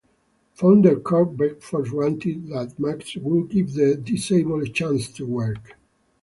Founder Curt Bergfors wanted that Max would give the disabled a chance to work.